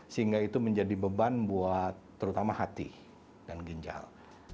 sehingga itu menjadi beban buat terutama hati dan ginjal